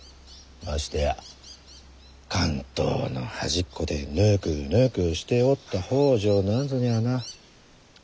ましてや関東の端っこでぬくぬくしておった北条なんぞにゃあな。